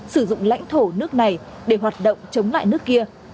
sử dụng lãnh thổ nước này để hoạt động chống lại nước kia